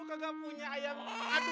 gue gak punya ayah kehaduan kayak lu